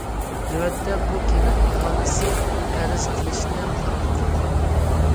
نۆۋەتتە بۇ كەنت ئاھالىسى ئەرز قىلىشنى قارار قىلغان.